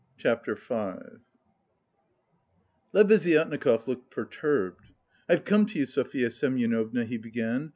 CHAPTER V Lebeziatnikov looked perturbed. "I've come to you, Sofya Semyonovna," he began.